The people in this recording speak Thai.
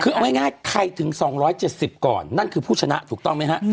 คือเอาง่ายใครถึง๒๗๐ก่อนนั่นคือผู้ชนะถูกต้องไหมฮะ